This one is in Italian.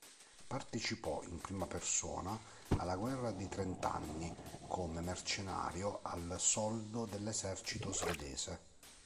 Partecipò in prima persona alla Guerra dei trent'anni, come mercenario al soldo dell'esercito svedese.